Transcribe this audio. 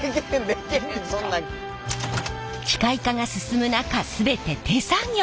機械化が進む中全て手作業！